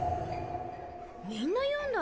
みんな言うんだ。